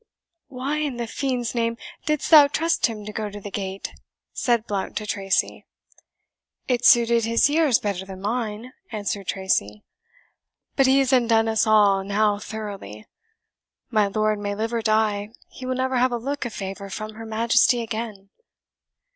"Why, in the fiend's name, didst thou trust him to go to the gate?" said Blount to Tracy. "It suited his years better than mine," answered Tracy; "but he has undone us all now thoroughly. My lord may live or die, he will never have a look of favour from her Majesty again."